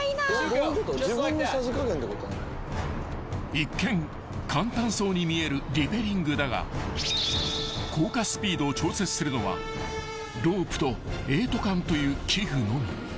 ［一見簡単そうに見えるリペリングだが降下スピードを調節するのはロープとエイト環という器具のみ］